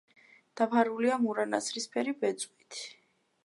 დაფარულია მურა ნაცრისფერი ბეწვით.